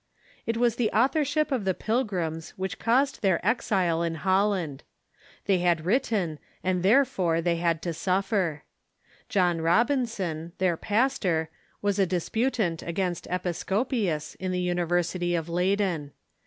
It was the authorship of the Pilgrims which caused their exile in Holland. They had written, and therefore they had to suffer. John Robinson, their pastor, was a disputant against Episco pius in the University of Leyden.